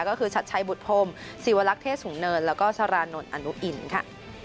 ก็คือชัดชัยบุตพรมศิวลักษ์เทศสูงเนินแล้วก็สารานนท์อนุอินค่ะ